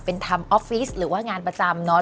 เป็นทำออฟฟิศหรือว่างานประจำเนอะ